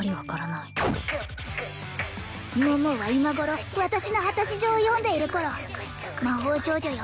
桃は今頃私の果たし状を読んでいる頃魔法少女よ